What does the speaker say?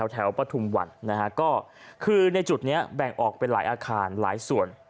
ปฐุมวันนะฮะก็คือในจุดนี้แบ่งออกเป็นหลายอาคารหลายส่วน